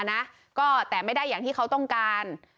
นะก็แต่ไม่ได้อย่างที่เขาต้องการ